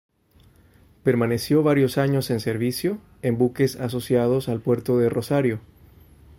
Permaneció varios años en servicio, en buques asociados al puerto de Rosario.